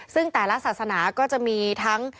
ซึ่งแต่ละศาสนาก็จะมีทั้ง